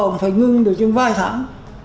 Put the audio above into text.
cũng phải ngưng được những vài tháng